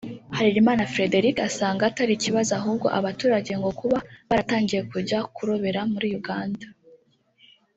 Harerimana Fréderic asanga atari ikibazo ahubwo abaturage ngo kuba baratangiye kujya kurobera muri Uganda